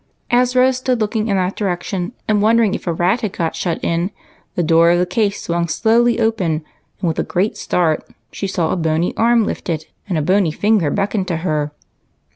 As Rose stood looking in that direction, and won dering if a rat had got shut in, the door of the case swung slowly open, and with a great start she saw a bony arm lifted, and a bony finger beckon to her.